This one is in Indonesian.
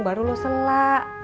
baru lo sela